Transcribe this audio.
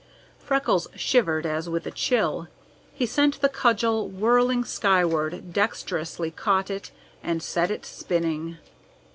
Freckles shivered as with a chill. He sent the cudgel whirling skyward, dexterously caught it, and set it spinning.